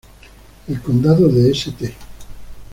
El condado de St.